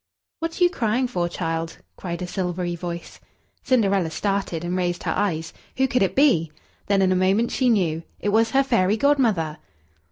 "What are you crying for, child?" cried a silvery voice. Cinderella started, and raised her eyes. Who could it be? Then in a moment she knew it was her fairy Godmother!